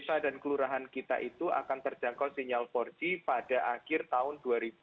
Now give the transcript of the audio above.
desa dan kelurahan kita itu akan terjangkau sinyal empat g pada akhir tahun dua ribu dua puluh